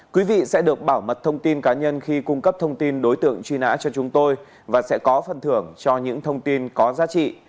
quý vị sẽ được bảo mật thông tin cá nhân khi cung cấp thông tin đối tượng truy nã cho chúng tôi và sẽ có phần thưởng cho những thông tin có giá trị